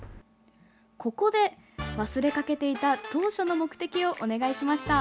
ここで忘れかけていた当初の目的をお願いしました。